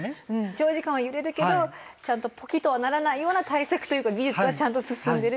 長時間は揺れるけどちゃんとポキッとはならないような対策というか技術はちゃんと進んでる。